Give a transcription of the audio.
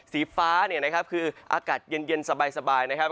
สีฟ้าเนี่ยนะครับคืออากาศเย็นสบายนะครับ